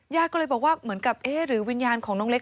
ญาติก็เลยบอกว่าเหมือนกับเอ๊ะหรือวิญญาณของน้องเล็ก